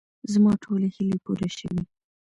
زما ټولې هیلې پوره شوې.